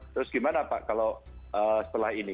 terus gimana pak kalau setelah ini